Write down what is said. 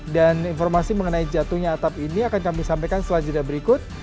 dan informasi mengenai jatuhnya atap ini akan kami sampaikan selanjutnya berikut